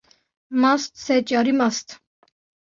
Mast sed carî mast.